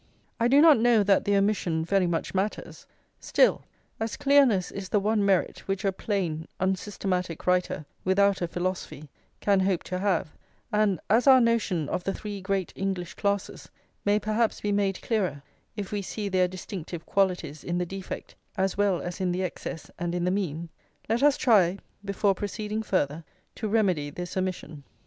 I do not know that the omission very much matters; still as clearness is the one merit which a plain, unsystematic writer, without a philosophy, can hope to have, and as our notion of the three great English classes may perhaps be made clearer if we see their distinctive qualities in the defect, as well as in the excess and in the mean, let us try, before proceeding further, to remedy this omission.